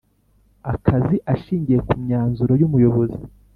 akazi ashingiye ku myanzuro y Umuyobozi